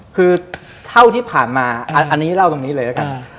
คือเท่าที่ผ่านมาอันนี้เล่าตรงนี้เลยแล้วกัน